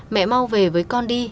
mẹ mau về với con đi